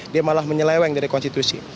dia malah menyeleweng dari konstitusi